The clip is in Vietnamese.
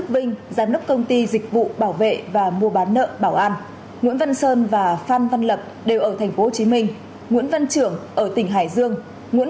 về tội cựu đất tài sản